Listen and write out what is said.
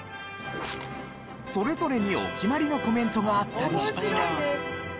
それぞれにお決まりのコメントがあったりしました。